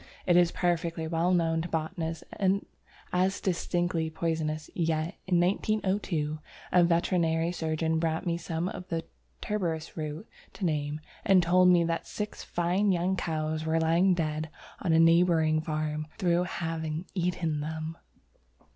It is perfectly well known to botanists as distinctly poisonous, yet in 1902 a veterinary surgeon brought me some of the tuberous roots to name, and told me that six fine young cows were lying dead on a neighbouring farm through having eaten them!